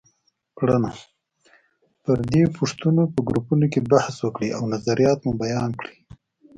کړنه: پر دې پوښتنو په ګروپونو کې بحث وکړئ او نظریات مو بیان کړئ.